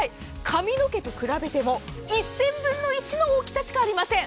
髪の毛と比べても１０００分の１の大きさしかありません。